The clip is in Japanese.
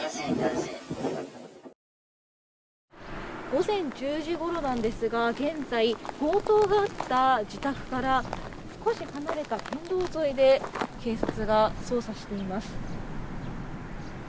午前１０時ごろなんですが現在、強盗があった自宅から少し離れた県道沿いで警察が捜査しています。